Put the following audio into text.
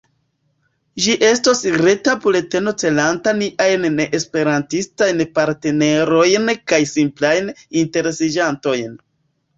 Ĝi estos reta bulteno celanta niajn neesperantistajn partnerojn kaj simplajn interesiĝantojn.